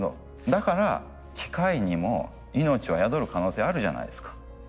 だから機械にも命は宿る可能性あるじゃないですか。